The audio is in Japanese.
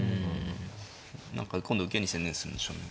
何か今度受けに専念するんでしょうね。